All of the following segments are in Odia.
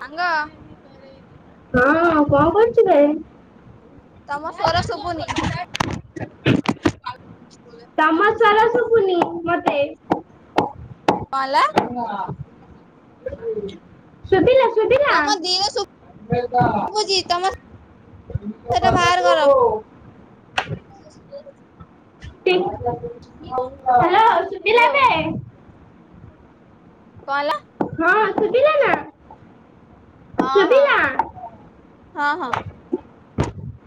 ସାଙ୍ଗ। ହଁ କଣ କରୁଥିଲେ? ତମ ସ୍ୱର ଶୁଭୁନି ତମ ସ୍ଵର ଶୁଭୁନି ମ ଶୁଭୁନି କଣ ହେଲା ଶୁବିଲା ଶୁବିଲା। ତମ ଦିର ସେଇଟା ବାହାର କର। ହଁ ଶୁଭିଲା ଏବେ? କଅଁ ହେଲା? ନା ହଁ ହଁ ଶୁଭିଲା ହଁ ହଁ।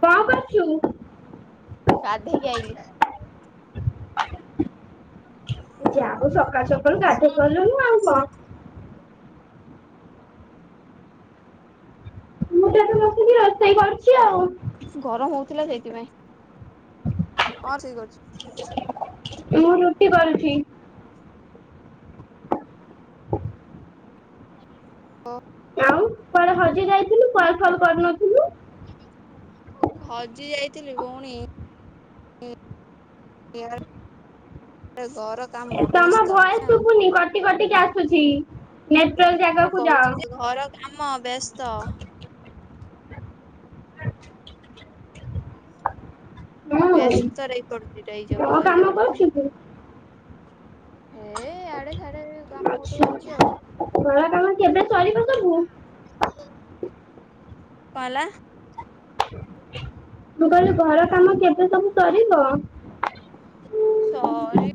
କଣ୍ କରୁଚୁ? ଗାଧେଇକି ଆଇଲି। ଯାଉ ସକାଳୁ ସକାଳୁ ଗାଧଇ ପଡିଲୁଣି, ଆଉ କଣ? ମୁଁ ତ ଏଠି ବସିକି ରୋଷେଇ କରୁଛି ଆଉ। ଗରମ ହଉଥିଲା ସେଇଥିପାଇଁ, ହଁ ଠିକ୍ ଅଛି। ମୁଁ ରୁଟି କରୁଛି। ଆଉ, କୁଆଡ଼େ ହଜି ଯାଇଥିଲୁ କଲ ଫଲ କରୁନଥିଲୁ? ଥିଲି ଭଉଣୀ। [unintelligible] ଘର। କାମ ତମ ବ୍ୟସ୍ତ ଭଏସ ଆଉ ଶୁଭୁନି, କଟି କଟିକି ଆସୁଛି, ନେଟୱାର୍କ ମୁଁ ଜାଗାକୁ କହୁଛି ଯେ ଘର କାମ ବ୍ୟସ୍ତ ଯାଅ। ହୁଁ ବ୍ୟସ୍ତ ରେ ଇଏ କରୁଛି [unintelligible] ରହି କଣ କାମ ରହିଯାଉଚି। କରୁଛୁ କି ଏ ଆଡେ ସାଡେ କାମ ବହୁତ ଆଚ୍ଛା କରୁଚି ଆଉ। ଘର କାମ କେବେ? ଚାଲିବା ଟା ବହୁତ। କଣ ହେଲା? [unintelligible] ମୁଁ କହିଲି ଘର କାମ କେବେ ସବୁ ସରିବ? ସରି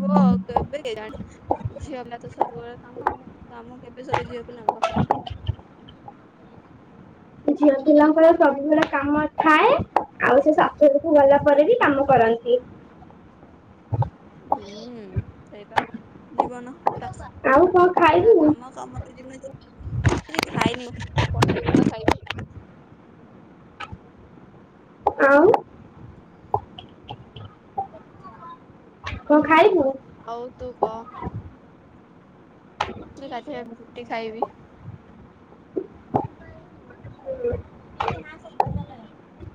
ବ କେବେ କେଜାଣି। ଝିଅ ହେଲା ତ ସବୁବେଳେ କାମ କାମ କେବେ ସରେ ଝିଅ ପିଲାଙ୍କ ଝିଅ ପିଲାଙ୍କ ର ସବୁବେଳେ କାମ ଥାଏ। ଆଉ ସେ ଶାଶୁଘରକୁ ଗଲା ପରେ ବି କାମ କରନ୍ତି ହୁଁ ସେଇପା ଜୀବନ ଆଉ କଣ [unintelligible] ଖାଇବୁ କାମ କାମ ତ ଜୀବନ- କିଛି ଖାଇନି ତୁ ପଠେଇବୁ ପା ଖାଇବି। ଆଉ- [unintelligible] ହଉ ତୁ କହ? [unintelligible] ଗାଧେଇବାକୁ, ରୁଟି ଖାଇବି [unintelligible]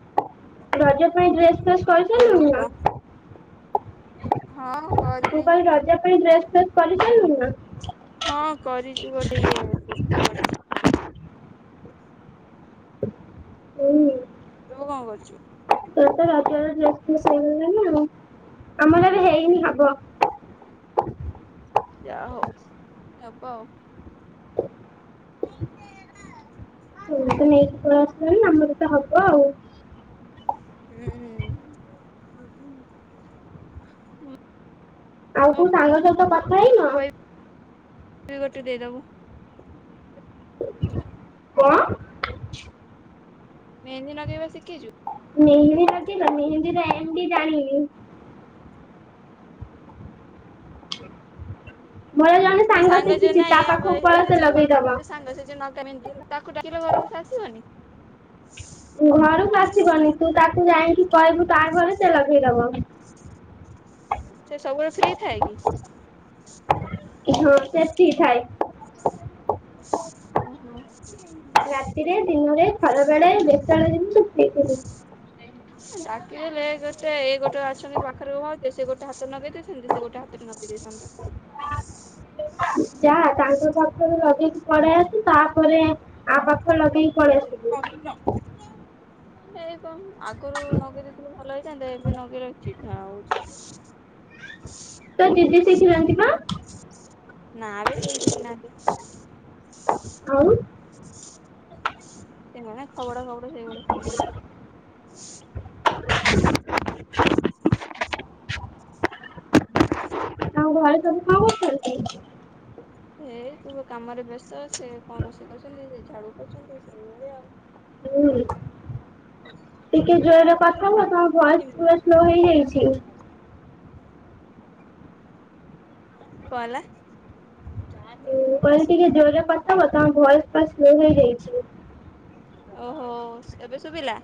ରଜ ପାଇଁ ଡ୍ରେସ୍ ଫେସ୍ ଆଉ ତୁ କରିସାରିଲୁଣି କହ ନା? ହଁ। ତୁ କଲିଣି କଣ ରଜ ପାଇଁ ଡ୍ରେସ ଫ୍ରେସ କରିସାରଲୁଣି ନା? ହଁ କରିଛି ଗୋଟେ ଇଏ କୁର୍ତ୍ତି କରିଛି ହୁଁ ତୁ କଣ କରଚୁ? ତୁ ତ ରଜରେ ଡ୍ରେସ୍ ଫେସ୍ ନେଇ ଗଲୁଣି ଆଉ, ଆମର ବି ହେଇନି ହବ। ଯା ହଉ ହବ ଆଉ ତୁ ତ ନେଇକି ପଳେଇ ଆସିଲୁଣି, ଆମର ତ ହବ ଆଉ। ହୁଁ, ହୁଁ ଆଉ କୋଉ ସାଙ୍ଗ ସହିତ କଥା ହେଇନ? ପାଇଁ [unintelligible] ଗୋଟେ ଦେଇଦବୁ। [unintelligible] କଣ? ମେହେନ୍ଦି ନଗେଇବା ଶିଖିଚୁ? ମେହିବି ଲଗେଇବା, ମେହେନ୍ଦି ର ଏମ୍ ବି ଜାଣିନି। ମୋର ଜଣେ ଯେ ସାଙ୍ଗ ଯଉ ଶିଖିଛି ନାଇଁ, ତା ଏ ଆମ ପାଖକୁ ଏଇ ପଳା ଏଇ ସେ ଯୋଉ ଘର ଲଗେଇଦବ। ପାଖରେ ଯୋଉ ସାଙ୍ଗ ସେ ଯୋଉ ନଗାଏ ମେହେନ୍ଦି। [unintelligible] ତାକୁ ଡାକିଲେ ଘରକୁ ସେ ଆସିବନି? ଘରକୁ ଆସିବନି ତୁ ତାକୁ ଯାଇକି କହିବୁ ତା ଘରେ ସେ ଲଗେଇଦବ ସେ ସବୁବେଳେ ଫ୍ରି ଥାଏ କି? ହଁ ସେ ଫ୍ରି ଥାଏ ଓହୋ ରାତିରେ ଦିନରେ ଖରା ବେଳେ ଯେତେବେଳେ ଦେଖିବୁ ତୁ ଫ୍ରୀ ଥିବୁ ଡାକିଦଲେ ଏ ଗୋଟେ ଏ ଗୋଟେ ଅଛନ୍ତି ପାଖରେ ଭାଉଜ ସେ ଗୋଟେ ହାତରେ ନଗେଇ ଦେଇେଥାନ୍ତେ ସେ ଗୋଟେ ହାତରେ ନଗେଇ ଦେଇେଥାନ୍ତା [unintelligible] କି ପଳେଇ ଆସୁ ତାପରେ ଆ ପାଖ ଲଗେଇକି ପଳେଇ ଆସିବୁ ଏଇ ପା ଆଗରୁ ନଗେଇ ଦେଇ ଥିଲେ ଭଲ ହେଇଥାନ୍ତା ଏବେ ନଗେଇ ଲାଠୁ ଚିଢା ହଉଛି ତ ଦିଦି ଶିଖିନାନ୍ତି ପା ନାବେ ସେ ଶିଖି ନାହାନ୍ତି ଆଉ ସେଇମାନେ ଖବଡା ଖବଡ଼ି ସେଇଭଳି ଶିଖିଛନ୍ତି [inaudible] ଆଉ ଘରେ ସବୁ କଣ କରୁଛନ୍ତି? ହେଇ ତୁ କାମରେ ବ୍ୟସ୍ତଅଛେ ସେ କଣ ରୋଷେଇ କରୁଛନ୍ତି ସେ ଝାଡୁ କରୁଛନ୍ତି ସେଇଭଳିଆ ଆଉ ହୁଁ ଟିକେ ଯୋର ରେ - ତମ ତମ ଭଏସ ପୁରା ସ୍ଲୋ ହେଇଯାଇଛି କଣ ହେଲା? ତୋ ପାଇଁ ଟିକେ ଜୋରରେ କଥା ହବ ତମ ଭଏସ ପୁର ସ୍ଲୋ ହେଇଯାଇଛି ଓହୋ ଏବେ ଶୁଭିଲା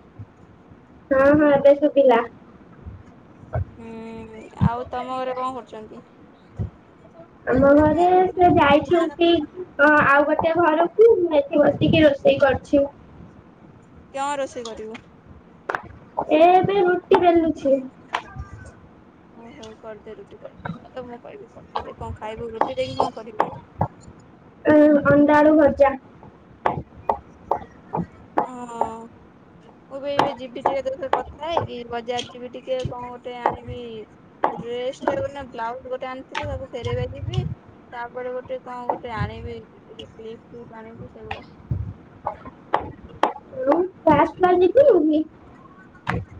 ହଁ ହଁ ଏବେ ସୁଭିଲା ହୁଁ ଆଉ ତମ ଘରେ କଣ କରୁଛନ୍ତି? ଆମ ଘରେ ସେ ଯାଇଛନ୍ତି ଆଉ ଗୋଟେ ଘରକୁ ମୁ ଏଠି ବସିକି ରୋଷେଇ କରୁଛି କଣ ରୋଷେଇ କରିବ? ଏ ଏବେ ରୁଟି ବେଲୁଛି ଓ ହଉ କରିଦେ ରୁଟି କରିଦେବା ମୁଁ କହିବି ପଠେଇଦେ କଣ ଖାଇବୁ ରୁଟି ଦେଇକି କଣ କରିବେ? ଅଁ, ଅଣ୍ଡା ଆଳୁ ଭଜା ହଁ ମୁଁ ବି ଏ ଯିବି ଟିକେ ତଖ କଥା ହେଇକି ବଜାର ଯିବି ଟିକେ କଣ ଗୋଟେ ଆଣିବି ଡ୍ରେସ ଟା ବ୍ଲାଉଜ ଗୋଟେ ଆଣିଥିଲି ତାକୁ ଫେରେଇବା ଯିବି ତାପରେ ଗୋଟେ କଣ ଗୋଟେ ଆଣିବି ସ୍ଲିପ କି ପାଣି ସେଗୋଡା ମୁଁ [unintelligible]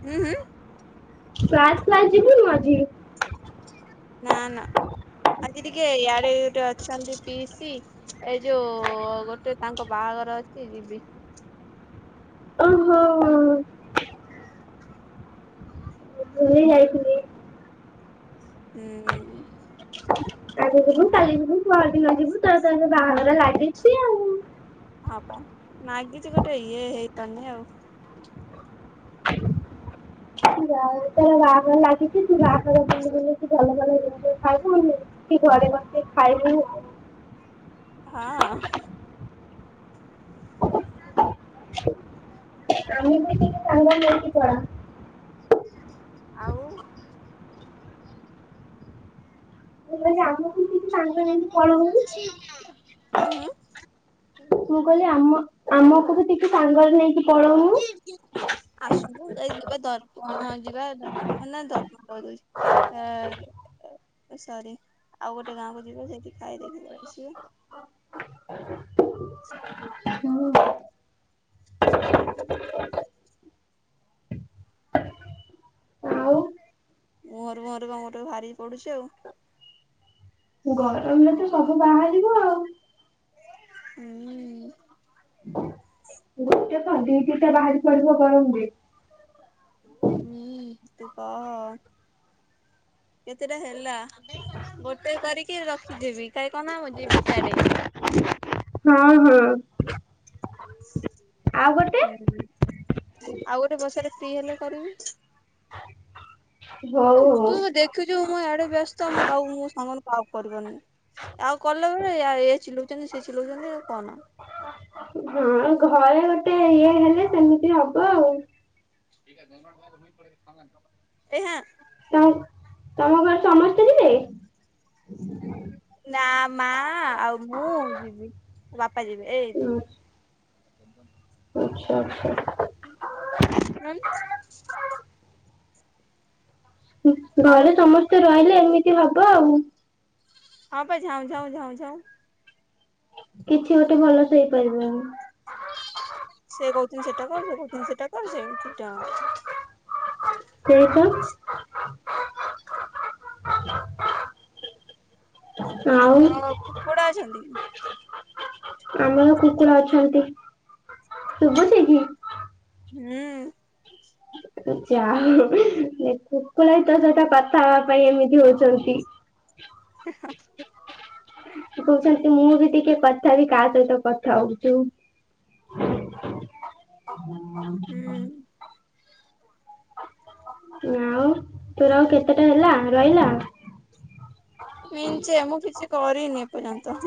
ହୁଁ ହୁଁ କ୍ଲାସ ଫ୍ଲାସ ଜିବୁନୁ ଆଜି? ନା ନା ଆଜି ଟିକେ ଇଆଡେ ଗୋଟେ ଅଛନ୍ତି ପିସି ଏଇ ଯୋଉ ଗୋଟେ ତାଙ୍କ ବାହାଘର ଅଛି ଯିବି ଓହୋ ଭୁଲି ଯାଇଥିଲି ହୁଁ ହୁଁ ଆଜି ଯିବୁ କାଲି ଯିବୁ ପର ଦିନ ଯିବୁ ତ ତା ବାହାଘର ଲାଗ ଲାଗିଛି ଆଉ ହଁ ପା ନାଗିଛି ଗୋଟେ ଇଏ ହେଇପାରୁନି ଆଉ ଯା ହଉ ତା ବାହାଘର ଲାଗିଛି ତୁ ବାହାଘର ବୁଲିବୁଲିକି ଭଲ ଭଲ ଜିନିଷ ଖାଇବୁ ଆଉ ସେ ଘରେ ବସେଇ ଖାଇବି ଆଉ ହଁ ଆମେ ବି ଟିକେ ହ୍ୟାଲୋ ସାଙ୍ଗ ନେଇକି ପଳା ଆଉ। ସାଙ୍ଗରେ ନେଇକି ପଳଉନୁ। ହୁଁ ହୁଁ ମୁଁ କହିଲି ଆମ ଆମ ଟିକେ ସାଙ୍ଗରେ ନେଇକି ପଳଉନୁ। କି କି ଆସନ୍ତୁ ଏ ଯିବା ଦ ଯିବା ମାନ ଦର୍ପଣ କରିଦଉଛି ଆ ସରି ଆଉ ଗୋଟେ ଗାଁ କୁ ଯିବା ସେଇଠି ଖାଇଦେଇକି ପଳେଇ ଆସିବା ଆଉ ମୁହଁରୁ ମୁହଁରୁ ମୁହଁରୁ ବାହାରି ପଡୁଛି ଆଉ। ଗରମରେ ତ ସବୁ ବାହାରିବ ଆଉ। ହୁଁ। ଦି ଦିଇଟା ବାହାରି ପଡିବ ଗରମରେ ହୁଁ ତୁ କହ କେତେଟା ହେଲା ଗୋଟେ କରିକି ରଖିଦେବି କାହିଁ କହନା ମୁଁ ଯିବି ସିଆଡେ ହଁ ହଁ। ଆଉ [unintelligible] ଗୋଟେ ହୁଁ। ଆଉ ଗୋଟେ ବସାରେ ଫ୍ରି ହେଲେ କରିବି। ହଉ ହଉ। ତୁ ଦେଖୁଛୁ ମୁଁ ଆଡେ ବ୍ୟସ୍ତ ମୁଁ କ ମୋ ସାଙ୍ଗ କ ଆଉ କରିବାରୁନି ଆଉ କଲା ବେଳେ ଏ ଚିଲଉଛନ୍ତି ସେ ଚିଲଉଛନ୍ତି କହନା ଆଉ ଘରେ ଗୋଟେ ଇଏ ହେଲେ ସେମିତି ହବ ଆଉ। [unintelligible] ତମ ତମ ଘରେ ସମସ୍ତେ ଯିବେ? ନା ମା ଆଉ ମୁଁ ଯିବି ବାପା ଯିବେ ଏଇ ଆଚ୍ଛା ଆଚ୍ଛା [unintelligible] ଆଉ ଘରେ ସମସ୍ତେ ରହିଲେ ଏମିତି ତିକି ଲୋକ ଆଉ ହଁ ପା ଝାଉଁ ଝାଉଁ ଝାଉଁ ଝାଉଁ କିଛି ଗୋଟେ ଭଲ ସେ ହେଇପାରିବନି। ସେ କହୁଛନ୍ତି ସେଟା କରୁଛ କହୁଛନ୍ତି ସେଟା କରୁଛେ ସେଟା କେଇ ଟା [unintelligible] ତମର କୁକୁଡ଼ା ଅଛନ୍ତି? ଆମର କୁକୁଡ଼ ଅଛନ୍ତି ଶୁବୁଚି କି? ହୁଁ। ତ ଯାହା ହୋଉ ଏ କୁକୁଡା ବି ତୋ ସହିତ କଥା ହେବା ପାଇଁ ଏମିତି ହଉଚନ୍ତି। କହୁଚନ୍ତି ମୁଁ ବି ଟିକେ କଥା ହେବି କାହା ସହିତ କଥା ହଉଚୁ। ହୁଁ ଆଉ ତୋର ଆଉ କେତେଟା ହେଲା ରହିଲା? ନି ଞ୍ଚେ ମୁଁ କିଛି କରିନି ଏପର୍ଯ୍ୟନ୍ତ।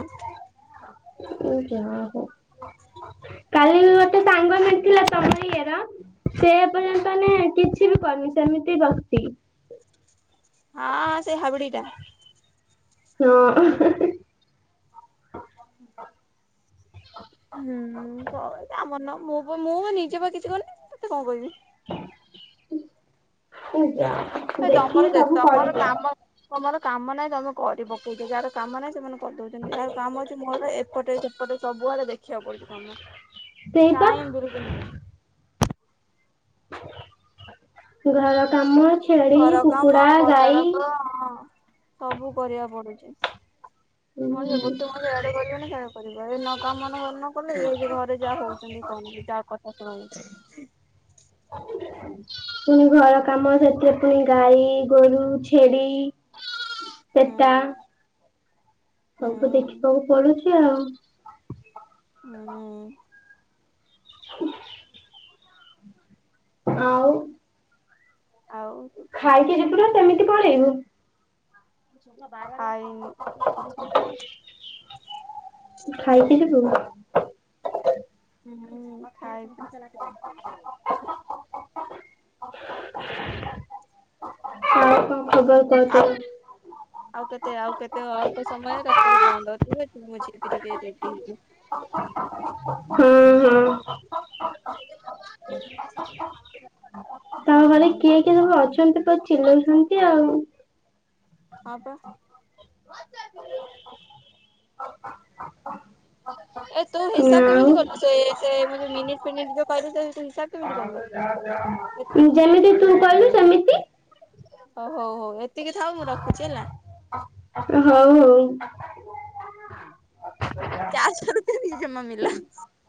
ଯା ହୋଉଁ କାଲି ବି ଗୋଟେ ସାଙ୍ଗ ମିଳିଥିଲା ତମ ଇଏର ସେ ଏ ପର୍ଯ୍ୟନ୍ତ ନା କିଛି ବି କରିନି ସେମିତି ବସିଚି। ହଁ ସେ ହାବିଡିଟା। ହଁ। ହୁଁ କରୁ ତା ମନ। ମୋ ପୁଅ ମୋ ଅନି ନିଜେ ବା କିଛି କରିନି ମୁଁ ତତେ କଣ କହିବି। ହୁଁ ଜ୍ଞା। ଏ ତମର ଦେ ତମର କାମ ତମର। କାମ ନାଇଁ ତମେ କରି ପକଉଛ ଯାହାର କାମ ନାଇଁ ସେମାନେ କରିଦଉଛନ୍ତି ଯାହାର କାମ ଅଛି ମୋର ଏପଟେ ସେପଟେ ସବୁ ବୁଆଡେ ଦେଖିବାକୁ ପଡୁଛି କାମ। ସେଇ ପା। ଟାଇମ ବିଲକୁଲ ନାହିଁ [unintelligible] ଘର କାମ ଛେଳି ଘର କାମ କୁକୁଡା ଗାଈ ପଦାରକ ସବୁ କରିବାକୁ ପଡୁଛି। ମଣିଷ ଗୋଟେ ମଣିଷ ଇଆଡେ କରିବ ନା ସିଆଡେ କରିବ ଏଇ ନ କାମ ନ କଲେ ଏ ଘରେ ଯାହା ହଉଛନ୍ତି କହନା ଯାହା କଥା ଶୁଣଉଛନ୍ତି। [inaudible] ପୁଣି ଘର କା କାମ ସେଥିରେ ପୁଣି ଗାଈ, ଗୋରୁ, ଛେଳି ପେଟା ହୁଁ ହୁଁ ସବୁ ତ ଦେଖିବାକୁ ପଡୁଛି ଆଉ। ହୁଁ ଆଉ। ଆଉ ତୁ କହ। ଖାଇକ ଯିବୁ ନା ସେମିତି ପଳେଇବୁ। ଖାଇକି ଯିବୁ। ହାଇ ହୁଁ ଖାଇଛି। ଆଉ କଣ ଖବର କହ ଆଉ ତୋର? ଆଉ କେତେ ଆଉ କେତେ ଅଳ୍ପ ସମୟ ତାପରେ ବନ୍ଦ ଠିକ ଅଛ ମୁଁ ଯିବି ଟିକେ ରେଡି ହେବି। ହଁ ହଁ ତ ଘରେ ହୁଁ କିଏ? କିଏ ସବୁ ଅଛନ୍ତି ପୁରା ଚିଲଉଛନ୍ତି ଆଉ। ହଁ ପା। ଏ ତୁ ହିସାବ କେମିତି କଲୁ ସେ ସେ ମୁଁ ଯୋଉ ମିନିଟ୍ ଫିନିଟ୍ କରି ଦେବି କେମିତି କଲୁ? ଏତିକି ଯେମିତି ତୁ କହିଲୁ ସେମିତି। ହଉ ହଉ ହଉ ଏତିକି ଥାଉ ମୁଁ ରଖୁଚି ହେଲା। ହଉ ହୋଉ। ଚାର୍ଜ କରୁଥିଲି ଜେଜେମା ମିଳିଲା।